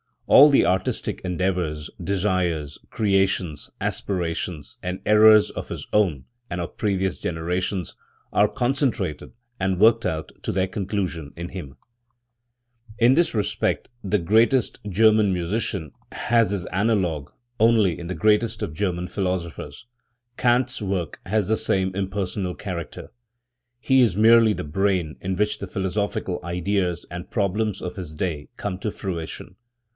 All the artistic endeavours, desires, creations, aspirations and errors of his own and of previous generations are concentrated and worked out to their conclusion in him, Schweitzer, Bach. I 2 The Roots of Bach's Art, In this respect the greatest German musician has his analogue only in the greatest of German philosophers. Kant's work has the same impersonal character. lie is merely the brain in which the philosophical ideas and problems of his day come to fruition.